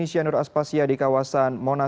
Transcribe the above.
vip untuk madrasa wearing oliver